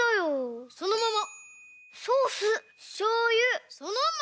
そのまま！